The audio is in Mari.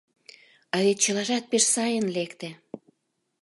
А вет чылажат пеш сайын лекте.